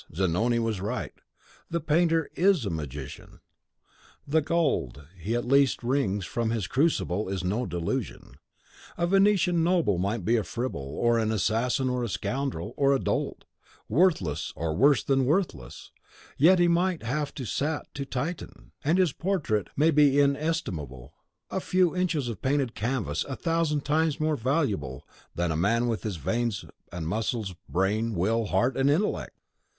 Zanoni was right. The painter IS a magician; the gold he at least wrings from his crucible is no delusion. A Venetian noble might be a fribble, or an assassin, a scoundrel, or a dolt; worthless, or worse than worthless, yet he might have sat to Titian, and his portrait may be inestimable, a few inches of painted canvas a thousand times more valuable than a man with his veins and muscles, brain, will, heart, and intellect!